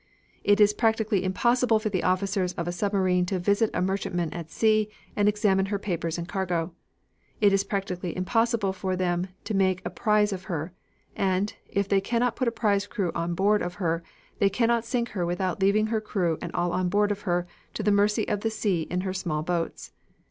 It is practically impossible for the officers of a submarine to visit a merchantman at sea and examine her papers and cargo. It is practically impossible for them to make a prize of her; and, if they cannot put a prize crew on board of her, they cannot sink her without leaving her crew and all on board of her to the mercy of the sea in her small boats.